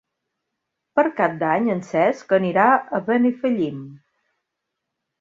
Per Cap d'Any en Cesc anirà a Benifallim.